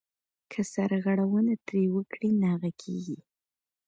که سرغړونه ترې وکړې ناغه کېږې .